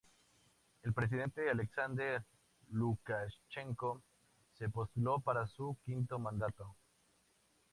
El presidente Alexander Lukashenko se postuló para su quinto mandato.